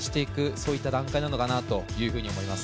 そういった段階なのかなというふうに思います。